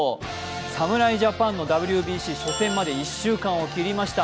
侍ジャパンのＷＢＣ初戦まで１週間を切りました。